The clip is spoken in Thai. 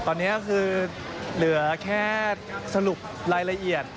ตอนนี้คือเหลือแค่สรุปรายละเอียด